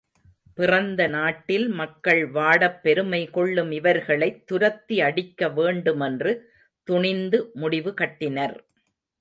பிறந்த நாட்டில் மக்கள் வாடப் பெருமை கொள்ளும் இவர்களைத் துரத்தி அடிக்க வேண்டு மென்று துணிந்து முடிவு கட்டினர்.